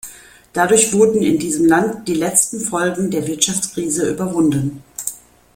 Dadurch wurden in diesem Land die letzten Folgen der Wirtschaftskrise überwunden.